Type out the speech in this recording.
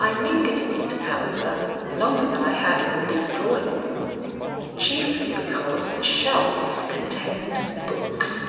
I lingered in it, however, longer than I had in the big drawing room, chiefly because the shelves contained books.